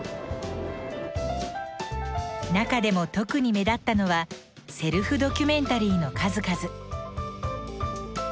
中でも特に目立ったのは「セルフドキュメンタリー」の数々。